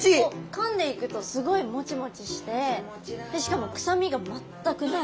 かんでいくとすごいもちもちしてしかも臭みが全くない。